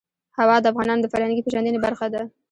هوا د افغانانو د فرهنګي پیژندنې برخه ده.